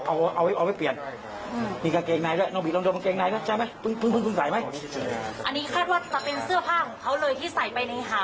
เมื่อยครับเมื่อยครับ